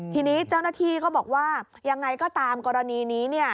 ทีนี้เจ้าหน้าที่ก็บอกว่ายังไงก็ตามกรณีนี้เนี่ย